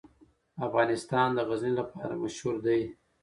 افغانستان د غزني لپاره مشهور دی.